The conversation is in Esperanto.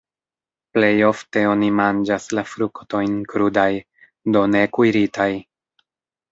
Plej ofte oni manĝas la fruktojn krudaj, do ne kuiritaj.